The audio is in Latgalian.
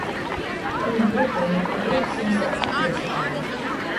Tim lūpenim, kuri ir, sīns taipat juosapļaun.